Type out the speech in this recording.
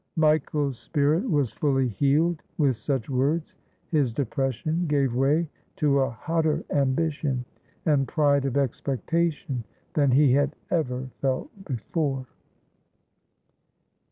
' Michael's spirit was fully healed with such words. His depression gave way to a hotter ambition and pride of expectation than he had ever felt before.